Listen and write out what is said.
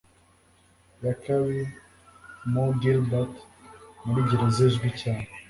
ya Kylie MooreGilbert muri gereza izwi cyane